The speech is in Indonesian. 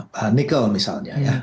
pada nikel misalnya ya